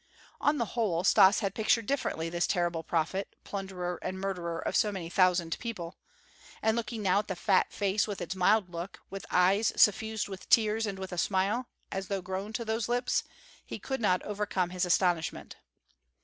On the whole Stas had pictured differently this terrible prophet, plunderer, and murderer of so many thousand people, and looking now at the fat face with its mild look, with eyes suffused with tears, and with a smile, as though grown to those lips, he could not overcome his astonishment.